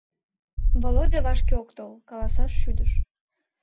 Володя вашке ок тол, каласаш шӱдыш.